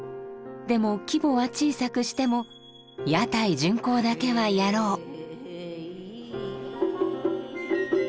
でも規模は小さくしても屋台巡行だけはやろう。